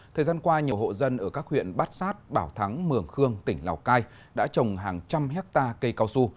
thời gian qua nhiều hộ dân ở các huyện bát sát bảo thắng mường khương tỉnh lào cai đã trồng hàng trăm hectare cây cao su